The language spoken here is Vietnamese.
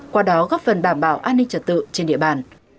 qua đó góp phần đảm bảo an ninh trật tự trên địa bàn